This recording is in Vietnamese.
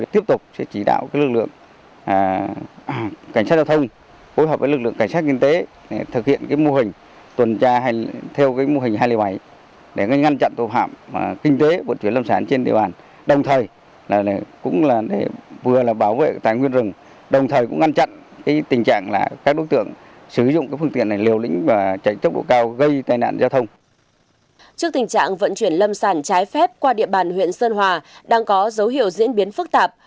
trước tình trạng vận chuyển lâm sản trái phép qua địa bàn huyện sơn hòa đang có dấu hiệu diễn biến phức tạp